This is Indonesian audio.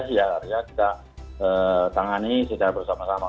sehingga kita tangani secara bersama sama